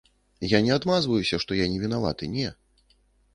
Я не адмазваюся, што я не вінаваты, не.